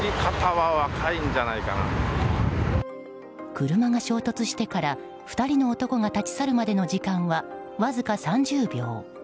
車が衝突してから２人の男が立ち去るまでの時間はわずか３０秒。